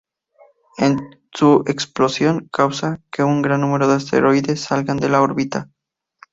Su explosión causa, que un gran número de asteroides salgan de la órbita.